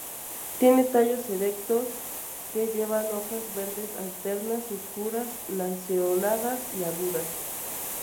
Tiene tallos erectos que llevan hojas verdes alternas, oscuras, lanceoladas y agudas.